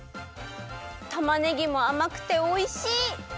たまねぎもあまくておいしい！